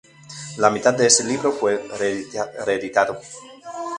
La mitad de ese libro fue reeditado.